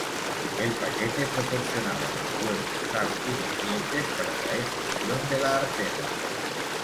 El paquete proporcionaba los huevos, sal y nutrientes para la eclosión de la Artemia.